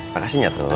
makasih ya tut